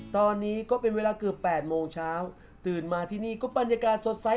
ตอนนี้ก็เป็นเวลาเกือบ๘โมงเช้าตื่นมาที่นี่ก็บรรยากาศสดใส